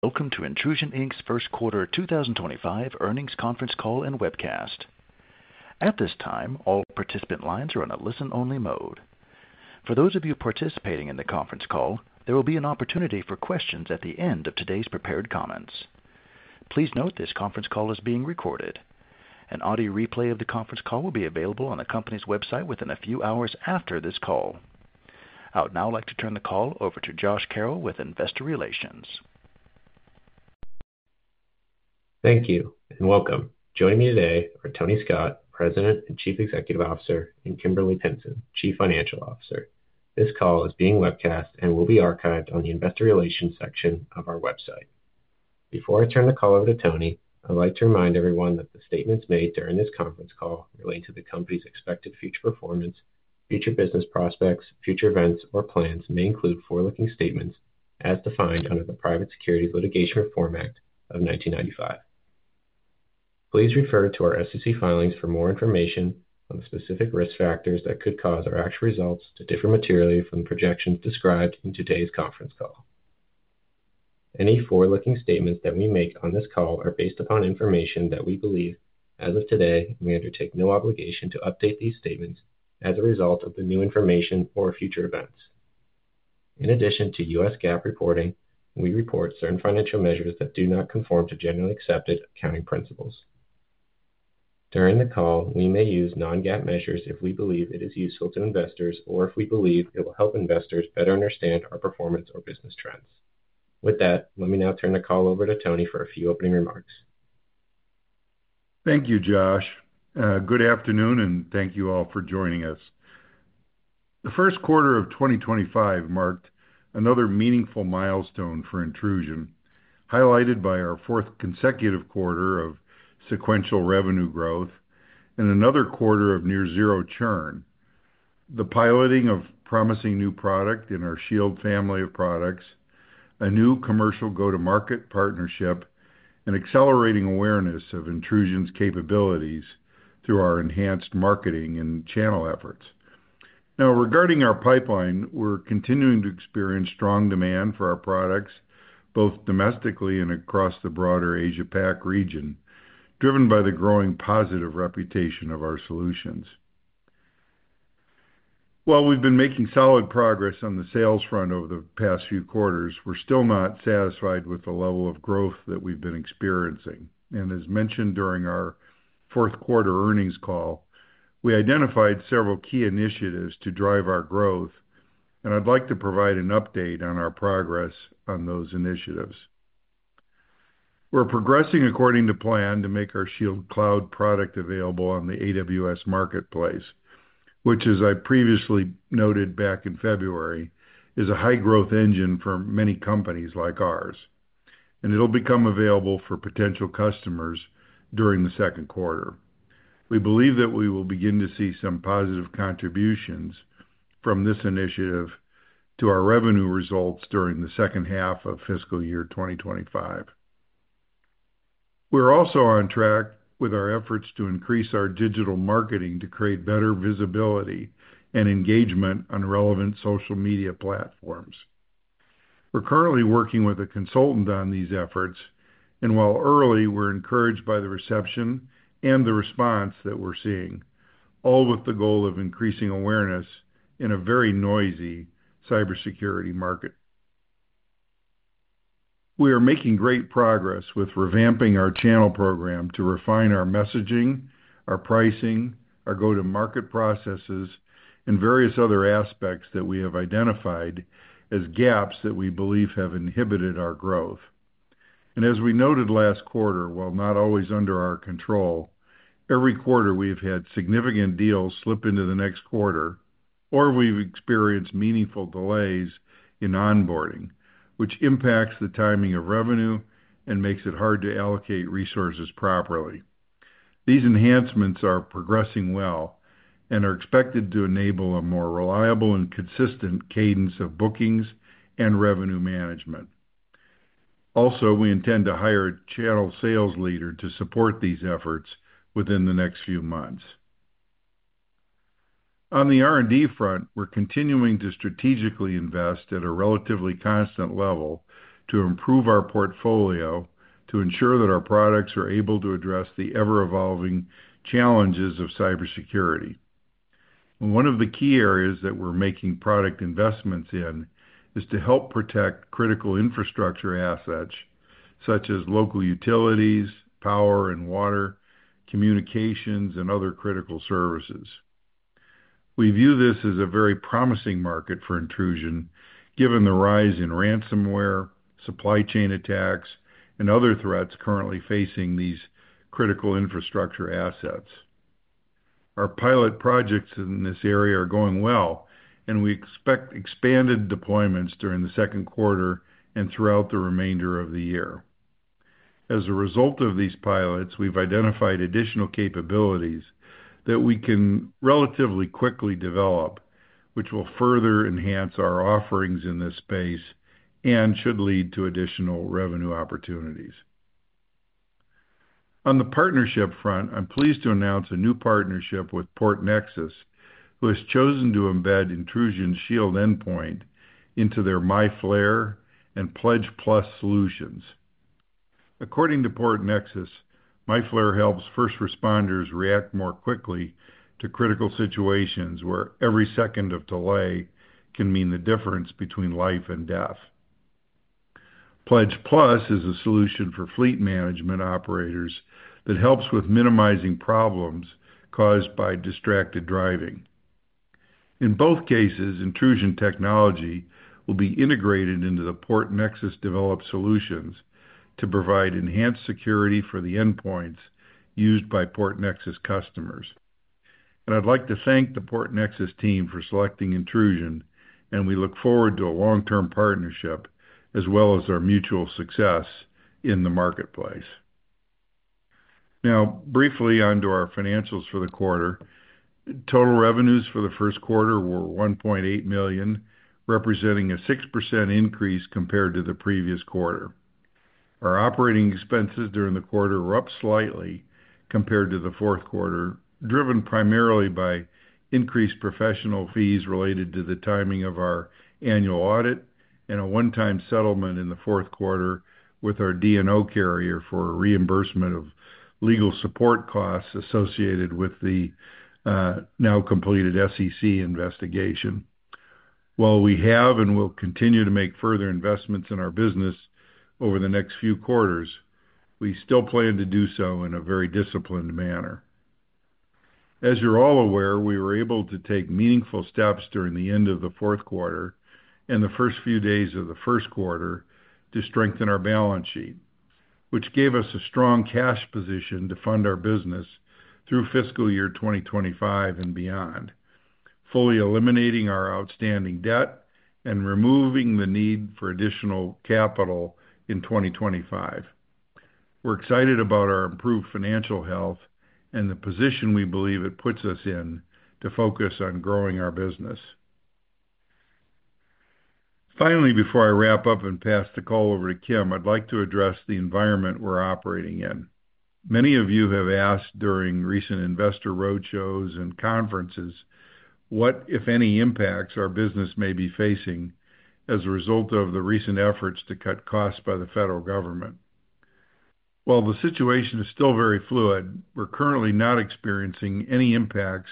Welcome to Intrusion's First Quarter 2025 Earnings Conference Call and Webcast. At this time, all participant lines are on a listen-only mode. For those of you participating in the conference call, there will be an opportunity for questions at the end of today's prepared comments. Please note this conference call is being recorded. An audio replay of the conference call will be available on the company's website within a few hours after this call. I would now like to turn the call over to Josh Carroll with Investor Relations. Thank you and welcome. Joining me today are Tony Scott, President and Chief Executive Officer, and Kimberly Pinson, Chief Financial Officer. This call is being webcast and will be archived on the Investor Relations section of our website. Before I turn the call over to Tony, I'd like to remind everyone that the statements made during this conference call relate to the company's expected future performance, future business prospects, future events, or plans and may include forward-looking statements as defined under the Private Securities Litigation Reform Act of 1995. Please refer to our SEC filings for more information on the specific risk factors that could cause our actual results to differ materially from the projections described in today's conference call. Any forward-looking statements that we make on this call are based upon information that we believe, as of today, we undertake no obligation to update these statements as a result of the new information or future events. In addition to U.S. GAAP reporting, we report certain financial measures that do not conform to generally accepted accounting principles. During the call, we may use non-GAAP measures if we believe it is useful to investors or if we believe it will help investors better understand our performance or business trends. With that, let me now turn the call over to Tony for a few opening remarks. Thank you, Josh. Good afternoon, and thank you all for joining us. The first quarter of 2025 marked another meaningful milestone for Intrusion, highlighted by our fourth consecutive quarter of sequential revenue growth and another quarter of near-zero churn, the piloting of a promising new product in our Shield family of products, a new commercial go-to-market partnership, and accelerating awareness of Intrusion's capabilities through our enhanced marketing and channel efforts. Now, regarding our pipeline, we're continuing to experience strong demand for our products, both domestically and across the broader Asia-Pac region, driven by the growing positive reputation of our solutions. While we've been making solid progress on the sales front over the past few quarters, we're still not satisfied with the level of growth that we've been experiencing. As mentioned during our fourth quarter earnings call, we identified several key initiatives to drive our growth, and I'd like to provide an update on our progress on those initiatives. We're progressing according to plan to make our Shield Cloud product available on the AWS Marketplace, which, as I previously noted back in February, is a high-growth engine for many companies like ours, and it'll become available for potential customers during the second quarter. We believe that we will begin to see some positive contributions from this initiative to our revenue results during the second half of fiscal year 2025. We're also on track with our efforts to increase our digital marketing to create better visibility and engagement on relevant social media platforms. We're currently working with a consultant on these efforts, and while early, we're encouraged by the reception and the response that we're seeing, all with the goal of increasing awareness in a very noisy cybersecurity market. We are making great progress with revamping our channel program to refine our messaging, our pricing, our go-to-market processes, and various other aspects that we have identified as gaps that we believe have inhibited our growth. As we noted last quarter, while not always under our control, every quarter we've had significant deals slip into the next quarter, or we've experienced meaningful delays in onboarding, which impacts the timing of revenue and makes it hard to allocate resources properly. These enhancements are progressing well and are expected to enable a more reliable and consistent cadence of bookings and revenue management. Also, we intend to hire a channel sales leader to support these efforts within the next few months. On the R&D front, we're continuing to strategically invest at a relatively constant level to improve our portfolio to ensure that our products are able to address the ever-evolving challenges of cybersecurity. One of the key areas that we're making product investments in is to help protect critical infrastructure assets such as local utilities, power and water, communications, and other critical services. We view this as a very promising market for Intrusion given the rise in ransomware, supply chain attacks, and other threats currently facing these critical infrastructure assets. Our pilot projects in this area are going well, and we expect expanded deployments during the second quarter and throughout the remainder of the year. As a result of these pilots, we've identified additional capabilities that we can relatively quickly develop, which will further enhance our offerings in this space and should lead to additional revenue opportunities. On the partnership front, I'm pleased to announce a new partnership with PortNexus, who has chosen to embed Intrusion's Shield Endpoint into their MyFlare and PLEDGE+ solutions. According to PortNexus, MyFlare helps first responders react more quickly to critical situations where every second of delay can mean the difference between life and death. PLEDGE+ is a solution for fleet management operators that helps with minimizing problems caused by distracted driving. In both cases, Intrusion technology will be integrated into the PortNexus-developed solutions to provide enhanced security for the endpoints used by PortNexus customers. I would like to thank the PortNexus team for selecting Intrusion, and we look forward to a long-term partnership as well as our mutual success in the marketplace. Now, briefly onto our financials for the quarter. Total revenues for the first quarter were $1.8 million, representing a 6% increase compared to the previous quarter. Our operating expenses during the quarter were up slightly compared to the fourth quarter, driven primarily by increased professional fees related to the timing of our annual audit and a one-time settlement in the fourth quarter with our D&O carrier for reimbursement of legal support costs associated with the now-completed SEC investigation. While we have and will continue to make further investments in our business over the next few quarters, we still plan to do so in a very disciplined manner. As you're all aware, we were able to take meaningful steps during the end of the fourth quarter and the first few days of the first quarter to strengthen our balance sheet, which gave us a strong cash position to fund our business through fiscal year 2025 and beyond, fully eliminating our outstanding debt and removing the need for additional capital in 2025. We're excited about our improved financial health and the position we believe it puts us in to focus on growing our business. Finally, before I wrap up and pass the call over to Kim, I'd like to address the environment we're operating in. Many of you have asked during recent investor roadshows and conferences what, if any, impacts our business may be facing as a result of the recent efforts to cut costs by the federal government. While the situation is still very fluid, we're currently not experiencing any impacts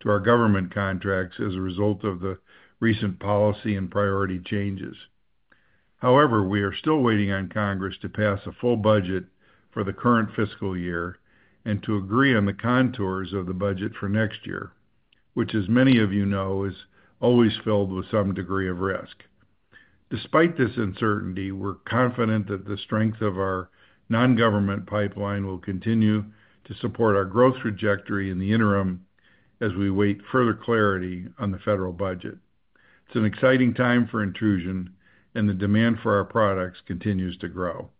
to our government contracts as a result of the recent policy and priority changes. However, we are still waiting on Congress to pass a full budget for the current fiscal year and to agree on the contours of the budget for next year, which, as many of you know, is always filled with some degree of risk. Despite this uncertainty, we're confident that the strength of our non-government pipeline will continue to support our growth trajectory in the interim as we wait for further clarity on the federal budget. It is an exciting time for Intrusion, and the demand for our products continues to grow.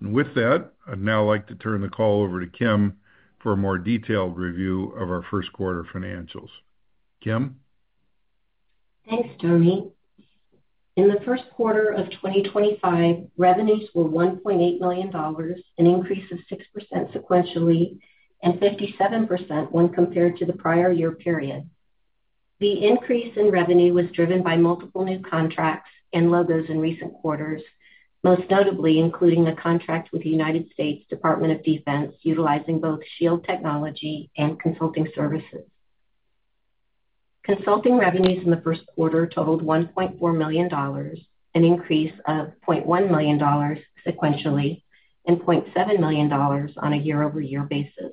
With that, I'd now like to turn the call over to Kim for a more detailed review of our first quarter financials. Kim? Thanks, Tony. In the first quarter of 2025, revenues were $1.8 million, an increase of 6% sequentially and 57% when compared to the prior year period. The increase in revenue was driven by multiple new contracts and logos in recent quarters, most notably including the contract with the United States Department of Defense utilizing both Shield technology and consulting services. Consulting revenues in the first quarter totaled $1.4 million, an increase of $0.1 million sequentially, and $0.7 million on a year-over-year basis.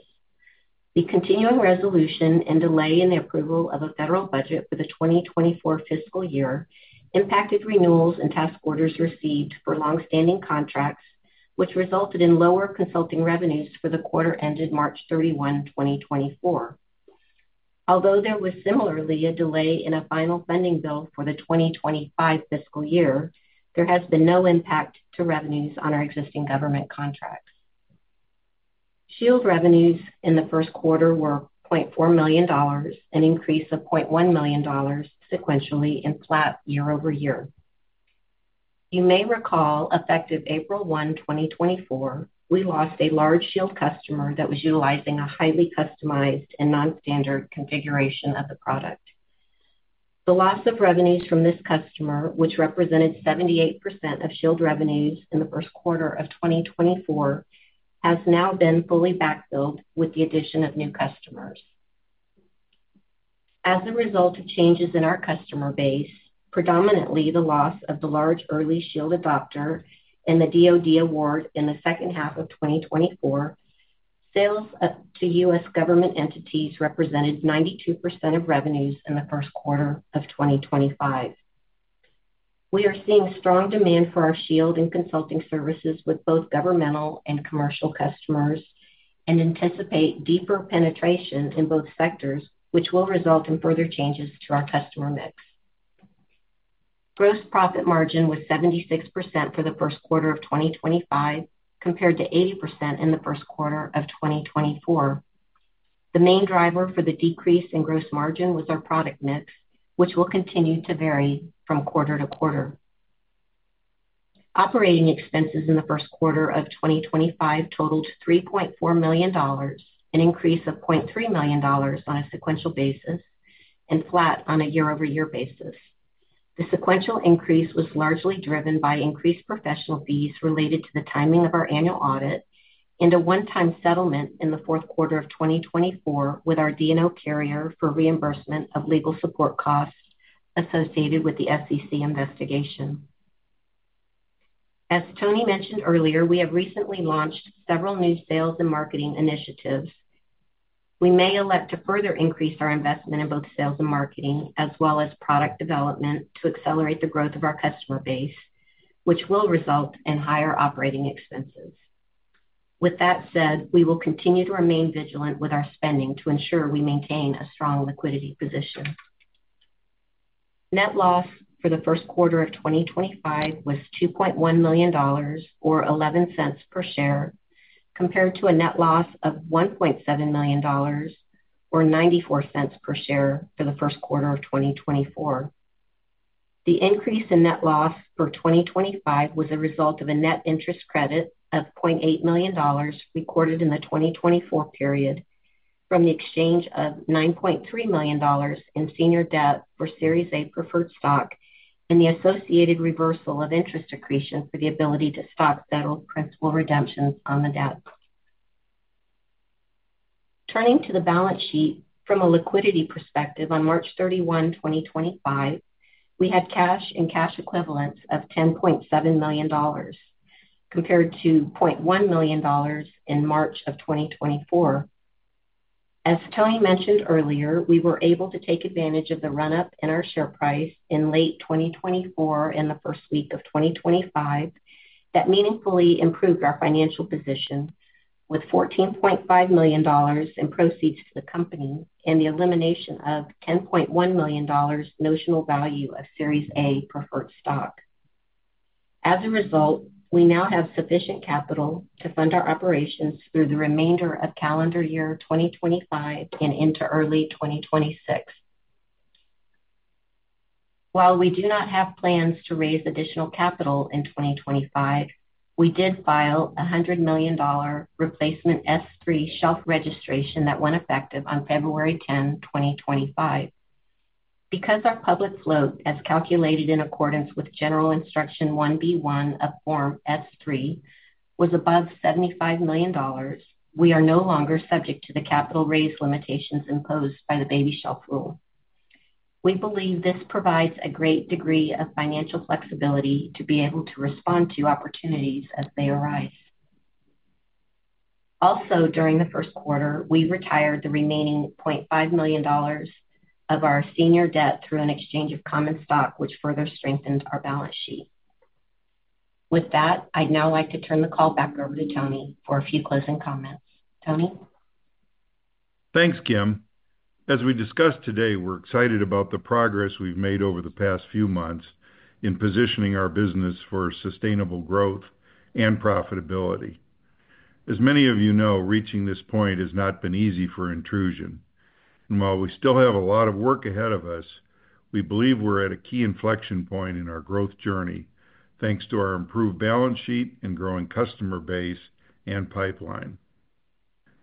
The continuing resolution and delay in the approval of a federal budget for the 2024 fiscal year impacted renewals and task orders received for long-standing contracts, which resulted in lower consulting revenues for the quarter ended March 31, 2024. Although there was similarly a delay in a final funding bill for the 2025 fiscal year, there has been no impact to revenues on our existing government contracts. Shield revenues in the first quarter were $0.4 million, an increase of $0.1 million sequentially and flat year-over-year. You may recall, effective April 1, 2024, we lost a large Shield customer that was utilizing a highly customized and non-standard configuration of the product. The loss of revenues from this customer, which represented 78% of Shield revenues in the first quarter of 2024, has now been fully backfilled with the addition of new customers. As a result of changes in our customer base, predominantly the loss of the large early Shield adopter and the DOD award in the second half of 2024, sales to U.S. government entities represented 92% of revenues in the first quarter of 2025. We are seeing strong demand for our Shield and consulting services with both governmental and commercial customers and anticipate deeper penetration in both sectors, which will result in further changes to our customer mix. Gross profit margin was 76% for the first quarter of 2025, compared to 80% in the first quarter of 2024. The main driver for the decrease in gross margin was our product mix, which will continue to vary from quarter to quarter. Operating expenses in the first quarter of 2025 totaled $3.4 million, an increase of $0.3 million on a sequential basis and flat on a year-over-year basis. The sequential increase was largely driven by increased professional fees related to the timing of our annual audit and a one-time settlement in the fourth quarter of 2024 with our D&O carrier for reimbursement of legal support costs associated with the SEC investigation. As Tony mentioned earlier, we have recently launched several new sales and marketing initiatives. We may elect to further increase our investment in both sales and marketing, as well as product development, to accelerate the growth of our customer base, which will result in higher operating expenses. With that said, we will continue to remain vigilant with our spending to ensure we maintain a strong liquidity position. Net loss for the first quarter of 2025 was $2.1 million, or $0.11 per share, compared to a net loss of $1.7 million, or $0.94 per share for the first quarter of 2024. The increase in net loss for 2025 was a result of a net interest credit of $0.8 million recorded in the 2024 period from the exchange of $9.3 million in senior debt for Series A preferred stock and the associated reversal of interest accretion for the ability to stock settle principal redemptions on the debt. Turning to the balance sheet, from a liquidity perspective, on March 31, 2025, we had cash and cash equivalents of $10.7 million, compared to $0.1 million in March of 2024. As Tony mentioned earlier, we were able to take advantage of the run-up in our share price in late 2024 and the first week of 2025 that meaningfully improved our financial position with $14.5 million in proceeds to the company and the elimination of $10.1 million notional value of Series A preferred stock. As a result, we now have sufficient capital to fund our operations through the remainder of calendar year 2025 and into early 2026. While we do not have plans to raise additional capital in 2025, we did file a $100 million replacement S3 shelf registration that went effective on February 10, 2025. Because our public float, as calculated in accordance with General Instruction 1B1 of Form S3, was above $75 million, we are no longer subject to the capital raise limitations imposed by the baby shelf rule. We believe this provides a great degree of financial flexibility to be able to respond to opportunities as they arise. Also, during the first quarter, we retired the remaining $500,000 of our senior debt through an exchange of common stock, which further strengthened our balance sheet. With that, I'd now like to turn the call back over to Tony for a few closing comments. Tony? Thanks, Kim. As we discussed today, we're excited about the progress we've made over the past few months in positioning our business for sustainable growth and profitability. As many of you know, reaching this point has not been easy for Intrusion. While we still have a lot of work ahead of us, we believe we're at a key inflection point in our growth journey, thanks to our improved balance sheet and growing customer base and pipeline.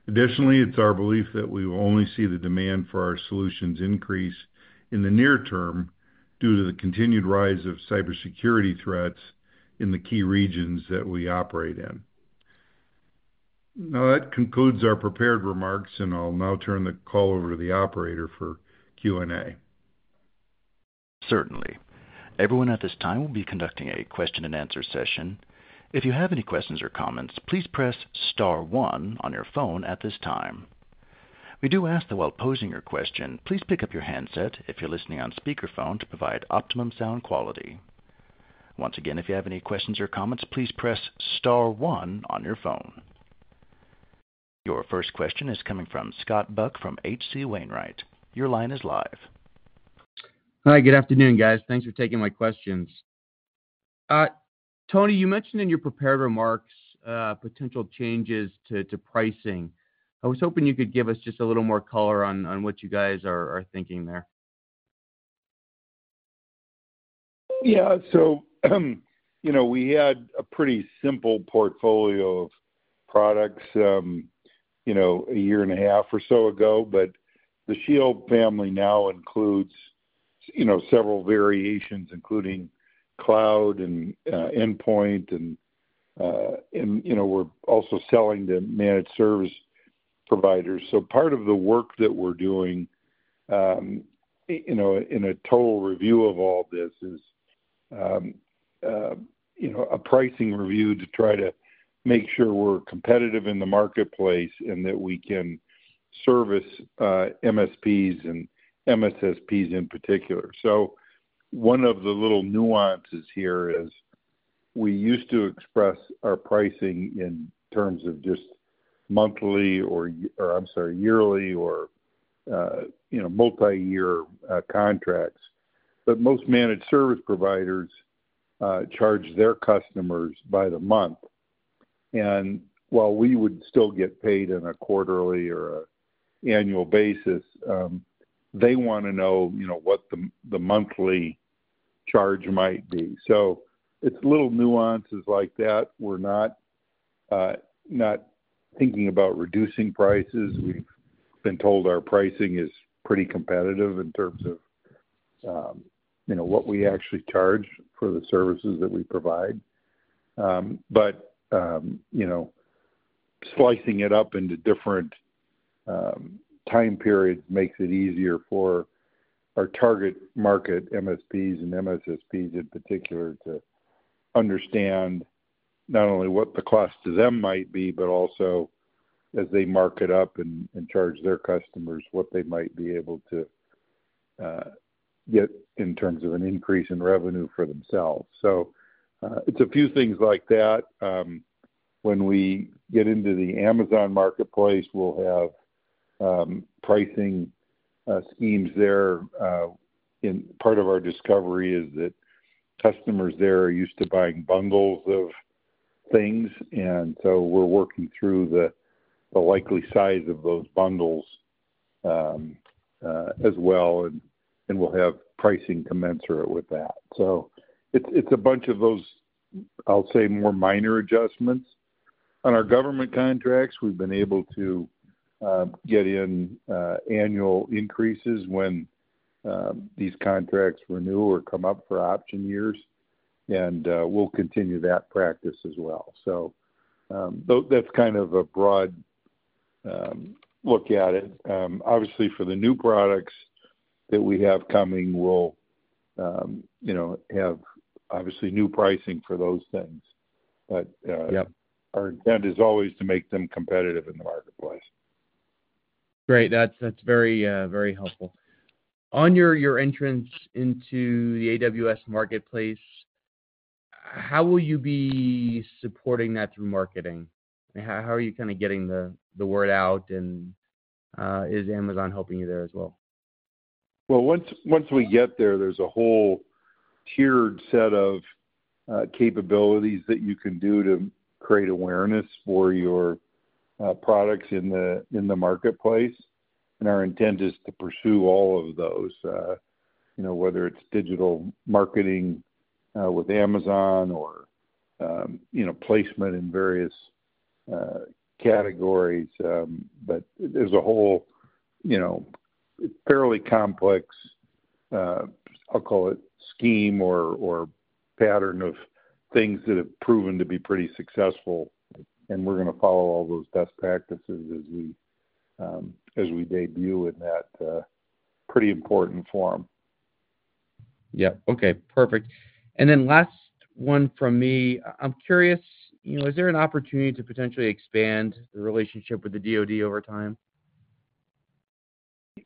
Additionally, it's our belief that we will only see the demand for our solutions increase in the near term due to the continued rise of cybersecurity threats in the key regions that we operate in. Now, that concludes our prepared remarks, and I'll now turn the call over to the operator for Q&A. Certainly. Everyone at this time will be conducting a question-and-answer session. If you have any questions or comments, please press star one on your phone at this time. We do ask that while posing your question, please pick up your handset if you're listening on speakerphone to provide optimum sound quality. Once again, if you have any questions or comments, please press star one on your phone. Your first question is coming from Scott Buck from H.C. Wainwright. Your line is live. Hi, good afternoon, guys. Thanks for taking my questions. Tony, you mentioned in your prepared remarks potential changes to pricing. I was hoping you could give us just a little more color on what you guys are thinking there. Yeah, we had a pretty simple portfolio of products a year and a half or so ago, but the Shield family now includes several variations, including cloud and endpoint, and we're also selling to managed service providers. Part of the work that we're doing in a total review of all this is a pricing review to try to make sure we're competitive in the marketplace and that we can service MSPs and MSSPs in particular. One of the little nuances here is we used to express our pricing in terms of just yearly or multi-year contracts, but most managed service providers charge their customers by the month. While we would still get paid on a quarterly or an annual basis, they want to know what the monthly charge might be. It's little nuances like that. We're not thinking about reducing prices. We've been told our pricing is pretty competitive in terms of what we actually charge for the services that we provide. Slicing it up into different time periods makes it easier for our target market, MSPs and MSSPs in particular, to understand not only what the cost to them might be, but also as they mark it up and charge their customers what they might be able to get in terms of an increase in revenue for themselves. It is a few things like that. When we get into the Amazon marketplace, we'll have pricing schemes there. Part of our discovery is that customers there are used to buying bundles of things, and we are working through the likely size of those bundles as well, and we'll have pricing commensurate with that. It is a bunch of those, I'll say, more minor adjustments. On our government contracts, we've been able to get in annual increases when these contracts renew or come up for option years, and we'll continue that practice as well. That's kind of a broad look at it. Obviously, for the new products that we have coming, we'll have obviously new pricing for those things. Our intent is always to make them competitive in the marketplace. Great. That's very helpful. On your entrance into the AWS marketplace, how will you be supporting that through marketing? How are you kind of getting the word out, and is Amazon helping you there as well? Once we get there, there's a whole tiered set of capabilities that you can do to create awareness for your products in the marketplace. Our intent is to pursue all of those, whether it's digital marketing with Amazon or placement in various categories. There's a whole fairly complex, I'll call it scheme or pattern of things that have proven to be pretty successful, and we're going to follow all those best practices as we debut in that pretty important form. Yep. Okay. Perfect. Last one from me. I'm curious, is there an opportunity to potentially expand the relationship with the DOD over time?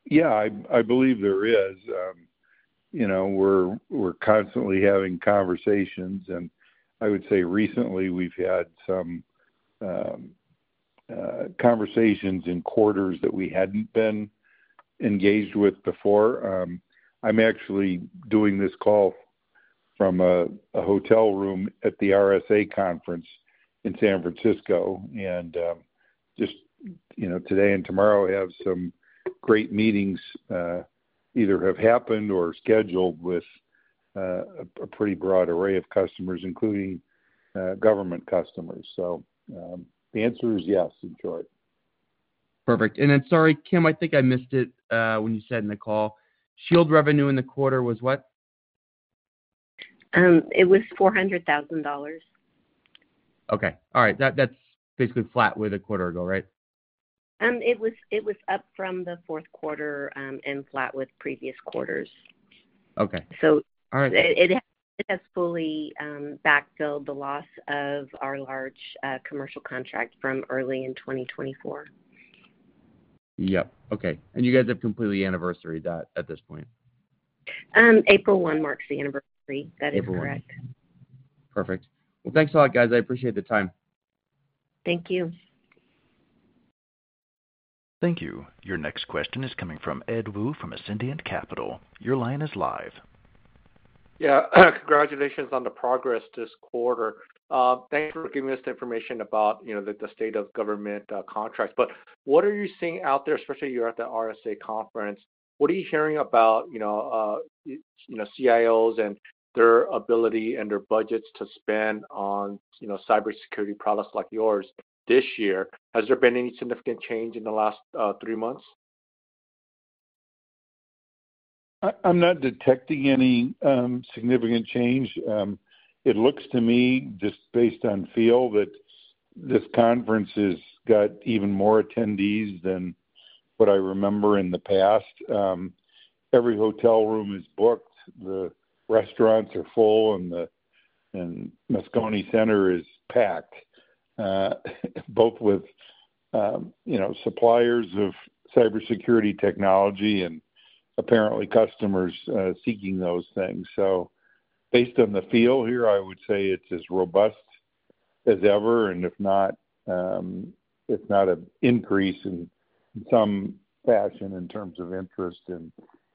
Yeah, I believe there is. We're constantly having conversations, and I would say recently we've had some conversations in quarters that we hadn't been engaged with before. I'm actually doing this call from a hotel room at the RSA conference in San Francisco, and just today and tomorrow have some great meetings either have happened or scheduled with a pretty broad array of customers, including government customers. The answer is yes in short. Perfect. Sorry, Kim, I think I missed it when you said in the call, Shield revenue in the quarter was what? It was $400,000. Okay. All right. That's basically flat with a quarter ago, right? It was up from the fourth quarter and flat with previous quarters. Okay. All right. It has fully backfilled the loss of our large commercial contract from early in 2024. Yep. Okay. You guys have completed the anniversary at this point? April 1 marks the anniversary. That is correct. April 1. Perfect. Thanks a lot, guys. I appreciate the time. Thank you. Thank you. Your next question is coming from Ed Woo from Ascendiant Capital. Your line is live. Yeah. Congratulations on the progress this quarter. Thanks for giving us the information about the state of government contracts. What are you seeing out there, especially you're at the RSA conference? What are you hearing about CIOs and their ability and their budgets to spend on cybersecurity products like yours this year? Has there been any significant change in the last three months? I'm not detecting any significant change. It looks to me, just based on feel, that this conference has got even more attendees than what I remember in the past. Every hotel room is booked, the restaurants are full, and the Moscone Center is packed, both with suppliers of cybersecurity technology and apparently customers seeking those things. Based on the feel here, I would say it's as robust as ever, and if not, it's an increase in some fashion in terms of interest and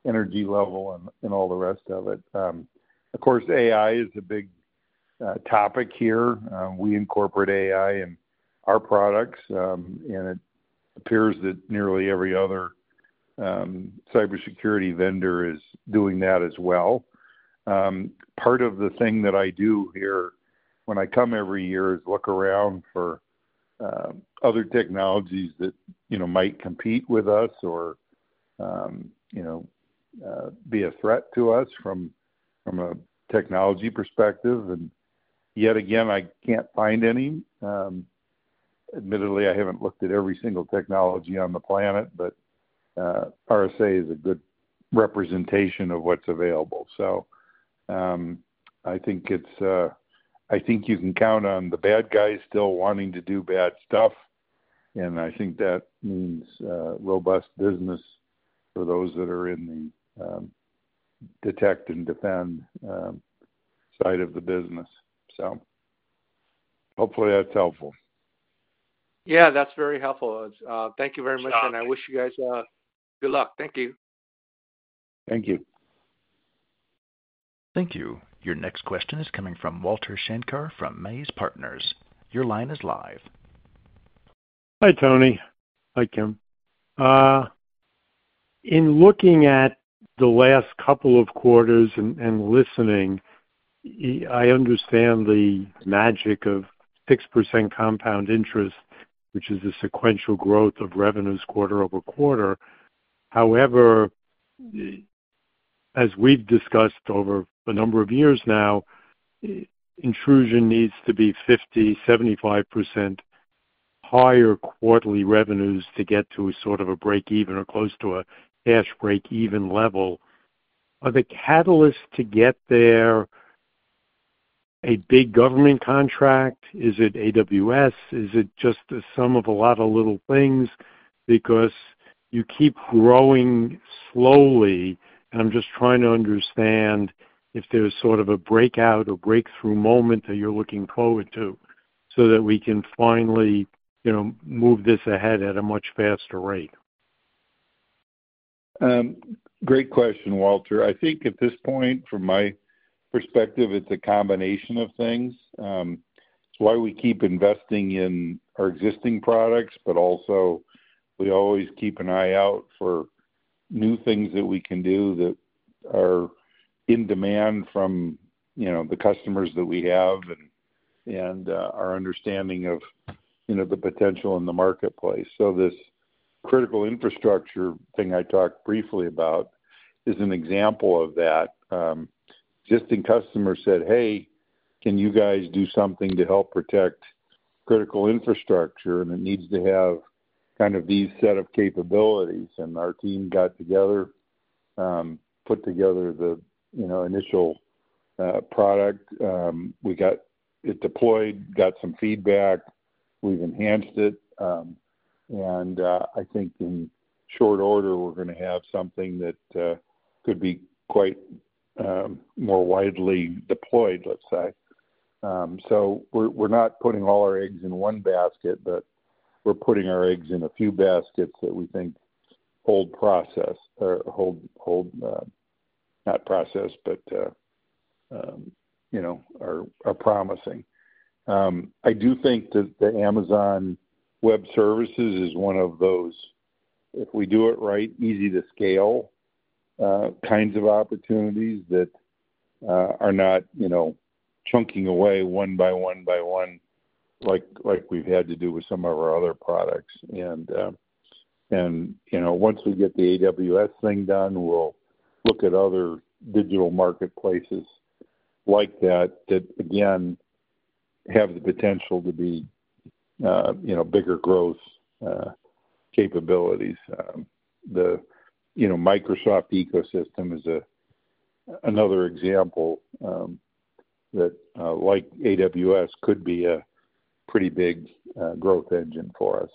energy level and all the rest of it. Of course, AI is a big topic here. We incorporate AI in our products, and it appears that nearly every other cybersecurity vendor is doing that as well. Part of the thing that I do here when I come every year is look around for other technologies that might compete with us or be a threat to us from a technology perspective. Yet again, I can't find any. Admittedly, I haven't looked at every single technology on the planet, but RSA is a good representation of what's available. I think you can count on the bad guys still wanting to do bad stuff, and I think that means robust business for those that are in the detect and defend side of the business. Hopefully that's helpful. Yeah, that's very helpful. Thank you very much, and I wish you guys good luck. Thank you. Thank you. Thank you. Your next question is coming from Walter Schenker from MAZ Partners. Your line is live. Hi, Tony. Hi, Kim. In looking at the last couple of quarters and listening, I understand the magic of 6% compound interest, which is the sequential growth of revenues quarter over quarter. However, as we've discussed over a number of years now, Intrusion needs to be 50-75% higher quarterly revenues to get to sort of a break-even or close to a cash break-even level. Are the catalysts to get there a big government contract? Is it AWS? Is it just the sum of a lot of little things? Because you keep growing slowly, and I'm just trying to understand if there's sort of a breakout or breakthrough moment that you're looking forward to so that we can finally move this ahead at a much faster rate. Great question, Walter. I think at this point, from my perspective, it's a combination of things. It's why we keep investing in our existing products, but also we always keep an eye out for new things that we can do that are in demand from the customers that we have and our understanding of the potential in the marketplace. This critical infrastructure thing I talked briefly about is an example of that. Existing customers said, "Hey, can you guys do something to help protect critical infrastructure?" It needs to have kind of these set of capabilities. Our team got together, put together the initial product. We got it deployed, got some feedback. We've enhanced it. I think in short order, we're going to have something that could be quite more widely deployed, let's say. We're not putting all our eggs in one basket, but we're putting our eggs in a few baskets that we think hold promise or hold, not promise, but are promising. I do think that Amazon Web Services is one of those, if we do it right, easy to scale kinds of opportunities that are not chunking away one by one by one like we've had to do with some of our other products. Once we get the AWS thing done, we'll look at other digital marketplaces like that that, again, have the potential to be bigger growth capabilities. The Microsoft ecosystem is another example that, like AWS, could be a pretty big growth engine for us.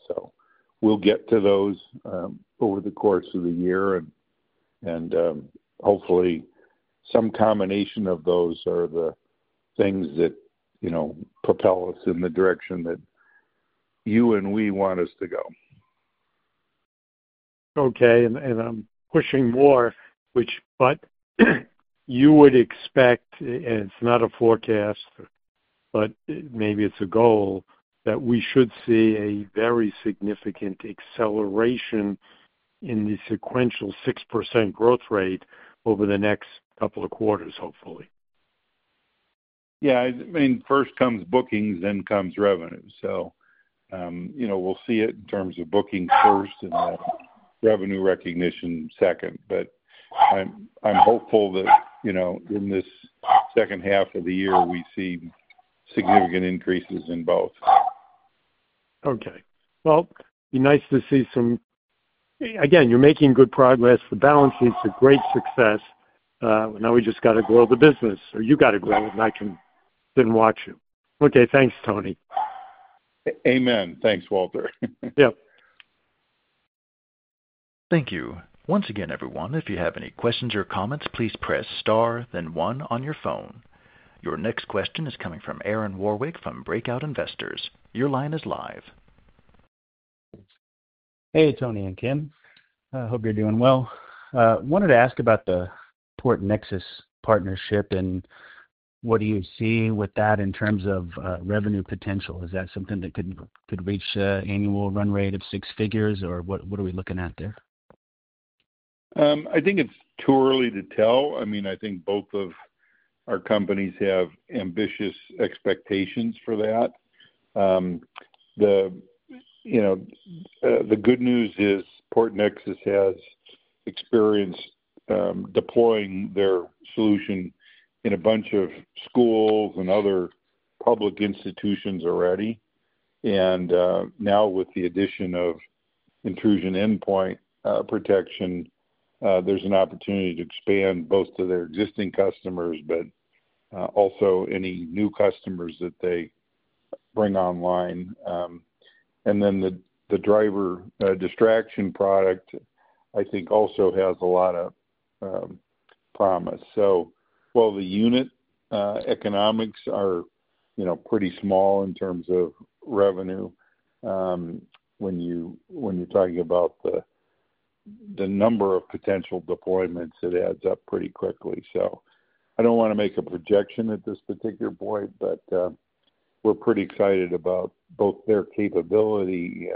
We will get to those over the course of the year, and hopefully some combination of those are the things that propel us in the direction that you and we want us to go. Okay. I'm pushing more, which you would expect, and it's not a forecast, but maybe it's a goal, that we should see a very significant acceleration in the sequential 6% growth rate over the next couple of quarters, hopefully. Yeah. I mean, first comes bookings, then comes revenue. We will see it in terms of bookings first and then revenue recognition second. I am hopeful that in this second half of the year, we see significant increases in both. Okay. It'd be nice to see some. Again, you're making good progress. The balance sheet's a great success. Now we just got to grow the business, or you got to grow, and I can sit and watch you. Okay. Thanks, Tony. Amen. Thanks, Walter. Yep. Thank you. Once again, everyone, if you have any questions or comments, please press star, then one on your phone. Your next question is coming from Aaron Warwick from Breakout Investors. Your line is live. Hey, Tony and Kim. I hope you're doing well. I wanted to ask about the PortNexus partnership and what do you see with that in terms of revenue potential? Is that something that could reach an annual run rate of six figures, or what are we looking at there? I think it's too early to tell. I mean, I think both of our companies have ambitious expectations for that. The good news is PortNexus has experience deploying their solution in a bunch of schools and other public institutions already. Now with the addition of Intrusion Endpoint Protection, there's an opportunity to expand both to their existing customers, but also any new customers that they bring online. The driver distraction product, I think, also has a lot of promise. While the unit economics are pretty small in terms of revenue, when you're talking about the number of potential deployments, it adds up pretty quickly. I don't want to make a projection at this particular point, but we're pretty excited about both their capability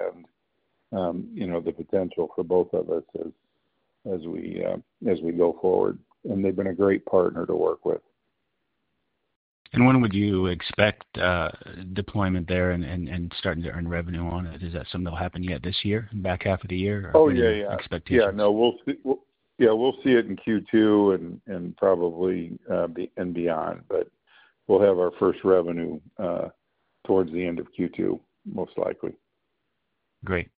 and the potential for both of us as we go forward. They've been a great partner to work with. When would you expect deployment there and starting to earn revenue on it? Is that something that'll happen yet this year, back half of the year, or do you have expectations? Oh, yeah, yeah. Yeah. No, we'll see it in Q2 and probably beyond, but we'll have our first revenue towards the end of Q2, most likely. Great.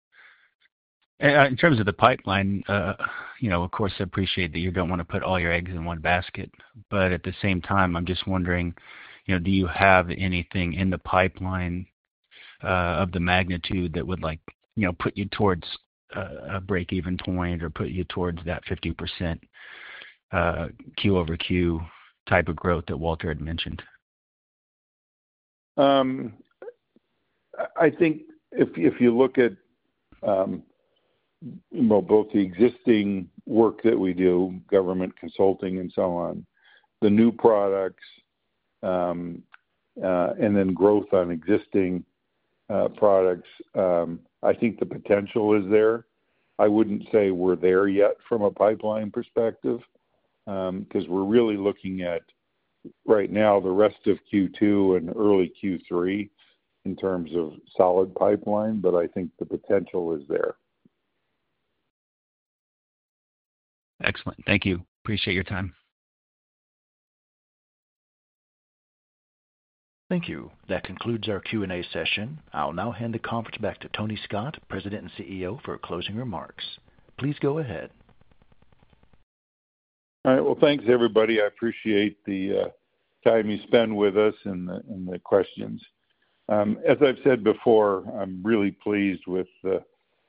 In terms of the pipeline, of course, I appreciate that you do not want to put all your eggs in one basket. At the same time, I am just wondering, do you have anything in the pipeline of the magnitude that would put you towards a break-even point or put you towards that 50% Q over Q type of growth that Walter had mentioned? I think if you look at both the existing work that we do, government consulting and so on, the new products, and then growth on existing products, I think the potential is there. I would not say we are there yet from a pipeline perspective because we are really looking at, right now, the rest of Q2 and early Q3 in terms of solid pipeline, but I think the potential is there. Excellent. Thank you. Appreciate your time. Thank you. That concludes our Q&A session. I'll now hand the conference back to Tony Scott, President and CEO, for closing remarks. Please go ahead. All right. Thanks, everybody. I appreciate the time you spend with us and the questions. As I've said before, I'm really pleased with the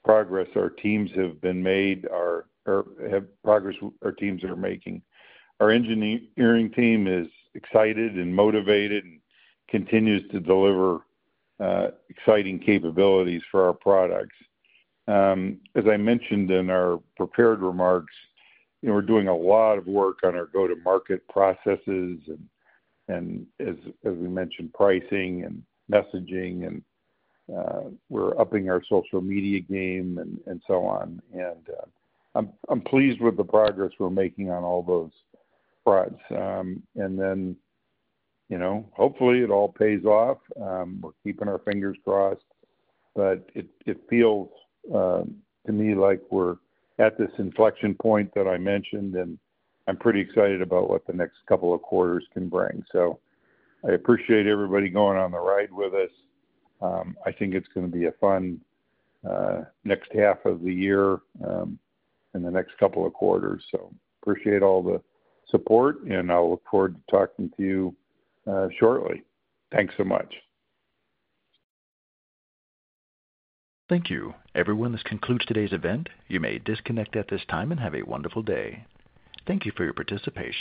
progress our teams have made or the progress our teams are making. Our engineering team is excited and motivated and continues to deliver exciting capabilities for our products. As I mentioned in our prepared remarks, we're doing a lot of work on our go-to-market processes and, as we mentioned, pricing and messaging, and we're upping our social media game and so on. I'm pleased with the progress we're making on all those fronts. Hopefully it all pays off. We're keeping our fingers crossed, but it feels to me like we're at this inflection point that I mentioned, and I'm pretty excited about what the next couple of quarters can bring. I appreciate everybody going on the ride with us. I think it's going to be a fun next half of the year and the next couple of quarters. I appreciate all the support, and I'll look forward to talking to you shortly. Thanks so much. Thank you. Everyone, this concludes today's event. You may disconnect at this time and have a wonderful day. Thank you for your participation.